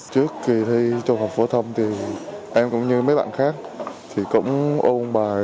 trước kỳ thi trung học phổ thông thì em cũng như mấy bạn khác thì cũng ôn bài